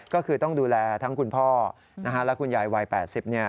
ก็คือต้องดูแลทั้งคุณพ่อและคุณยายวัย๘๐